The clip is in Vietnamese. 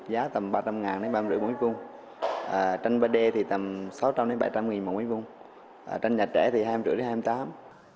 là tranh ba d tầm ba trăm linh đến ba trăm năm mươi m hai tranh ba d thì tầm sáu trăm linh đến bảy trăm linh m hai tranh nhạc trẻ thì hai trăm năm mươi đến hai trăm năm mươi m hai